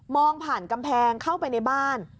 ผ่านกำแพงเข้าไปในบ้าน